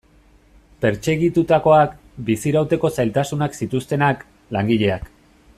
Pertsegitutakoak, bizirauteko zailtasunak zituztenak, langileak...